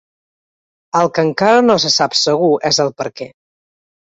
El que encara no se sap segur és el perquè.